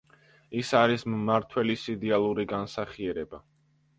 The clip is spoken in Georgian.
ის არის მმართველის იდეალური განსახიერება.